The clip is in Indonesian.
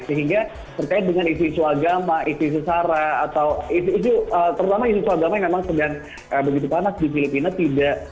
sehingga terkait dengan isu isu agama isu isu sara atau isu terutama isu isu agama yang memang sedang begitu panas di filipina tidak